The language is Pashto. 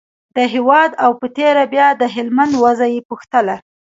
د هېواد او په تېره بیا د هلمند وضعه یې پوښتله.